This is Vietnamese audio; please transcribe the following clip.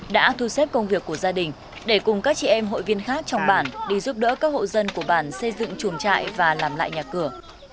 đã thu xếp công việc của gia đình để cùng các chị em hội viên khác trong bản đi giúp đỡ các hộ dân của bản xây dựng chuồng trại và làm lại nhà cửa